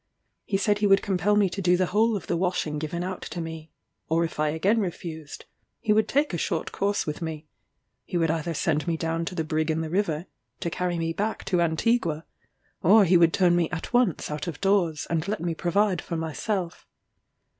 He said he would compel me to do the whole of the washing given out to me, or if I again refused, he would take a short course with me: he would either send me down to the brig in the river, to carry me back to Antigua, or he would turn me at once out of doors, and let me provide for myself.